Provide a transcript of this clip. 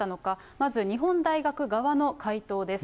まず日本大学側の回答です。